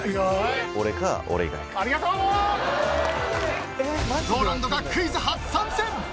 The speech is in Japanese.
ＲＯＬＡＮＤがクイズ初参戦。